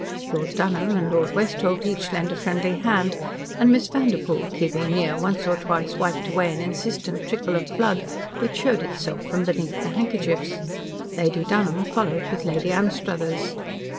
Lord Dunholm and Lord Westholt each lent a friendly hand, and Miss Vanderpoel, keeping near, once or twice wiped away an insistent trickle of blood which showed itself from beneath the handkerchiefs. Lady Dunholm followed with Lady Anstruthers.